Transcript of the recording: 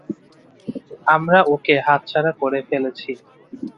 আমরা ওকে হাতছাড়া করে ফেলেছি।